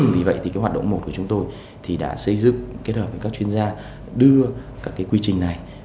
vì vậy thì cái hoạt động một của chúng tôi thì đã xây dựng kết hợp với các chuyên gia đưa các cái quy trình này